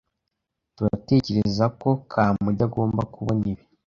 turatekerezako Kamugi agomba kubona ibi.